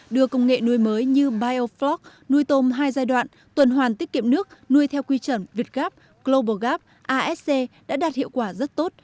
đưa công nghệ nuôi mới như biofloc nuôi tôm hai giai đoạn tuần hoàn tiết kiệm nước nuôi theo quy trẩn vietgap globalgap asc đã đạt hiệu quả rất tốt